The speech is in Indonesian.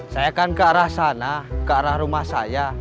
saya kan ke arah sana ke arah rumah saya